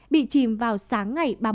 bị chìm vào sáng ngày ba mươi một ba